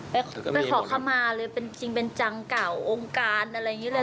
ไปขอคำมาเลยเป็นจริงเป็นจังเก่าองค์การอะไรอย่างนี้เลย